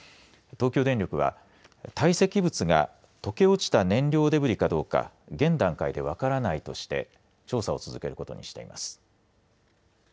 東京電力は堆積物が溶け落ちた燃料デブリかどうか現段階で分からないとして調査を続けることにしています。